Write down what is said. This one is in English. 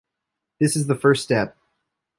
This is the first step.